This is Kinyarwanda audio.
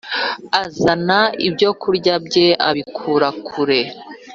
azana ibyokurya bye abikura kure